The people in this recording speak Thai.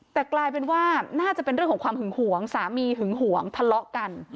แต่กลายเป็นว่าน่าจะเป็นเรื่องของความหึงหวงสามีหึงหวงทะเลาะกัน